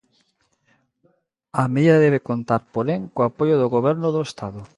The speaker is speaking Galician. A medida debe contar, porén, co apoio do Goberno do Estado.